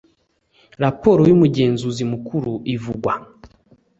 Raporo y umugenzuzi mukuru ivugwa